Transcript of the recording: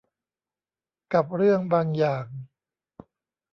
กับเรื่องบางอย่าง